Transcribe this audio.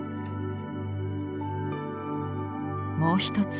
もう一つ。